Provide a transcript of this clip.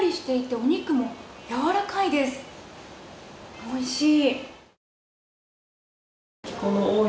おいしい。